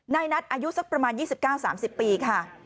นายนัทอายุสักประมาณ๒๙๓๐ปีค่ะ